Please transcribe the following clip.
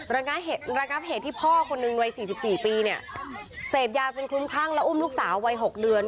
ระนับเหตุที่พ่อคนนึงวัยสี่สิบสี่ปีเนี่ยเสพยาจนคุ้มคาวและอุ้มลูกสาววัยหกเดือน